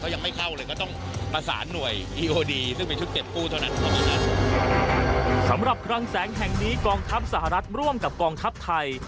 ก็ยังไม่เข้ากันเองเลยก็ต้องประสานหน่วยกองทัพสหรัฐร่วมกับกองทัพไทย